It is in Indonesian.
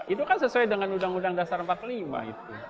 itu kan sesuai dengan undang undang dasar empat puluh lima itu